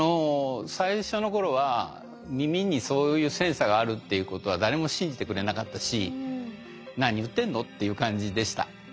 最初の頃は耳にそういうセンサーがあるっていうことは誰も信じてくれなかったし「何言ってんの」っていう感じでした。